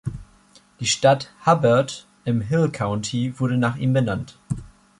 Die Stadt Hubbard im Hill County wurde nach ihm benannt.